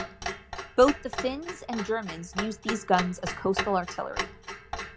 Both the Finns and Germans used these guns as coastal artillery.